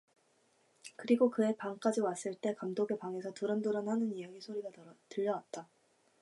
그리고 그의 방까지 왔을 때 감독의 방에서 두런두런하는 이야기 소리가 들려 왔다.